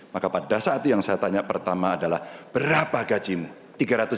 maka pada saat itu yang saya tanya pertama adalah berapa gajimu